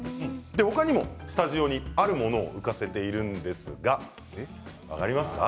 他にもスタジオに、あるものを浮かせているんですが分かりますか？